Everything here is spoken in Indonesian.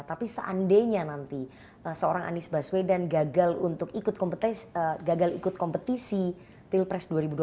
tapi seandainya nanti seorang anies baswedan gagal untuk gagal ikut kompetisi pilpres dua ribu dua puluh